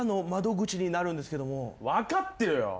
分かってるよ。